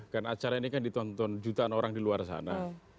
karena acara ini kan ditonton jutaan orang di luar sana